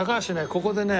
ここでね